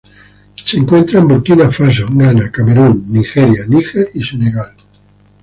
Se encuentra en Burkina Faso, Ghana, Camerún, Nigeria, Níger y Senegal.